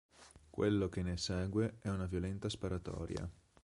Quello che ne segue è una violenta sparatoria.